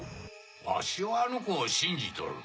わしはあの子を信じとる。